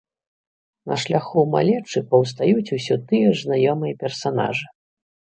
На шляху малечы паўстаюць усё тыя ж знаёмыя персанажы.